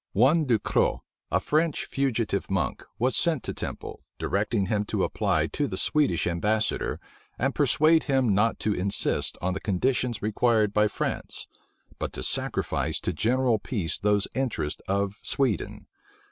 One Du Cros, a French fugitive monk, was sent to Temple, directing him to apply to the Swedish ambassador, and persuade him not to insist on the conditions required by France, but to sacrifice to general peace those interests of Sweden.